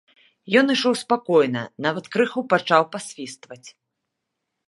Ён ішоў спакойна, нават крыху пачаў пасвістваць.